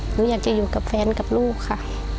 หนูอยากจะอยู่กับแฟนกับลูกค่ะ